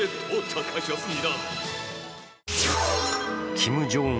キム・ジョンウン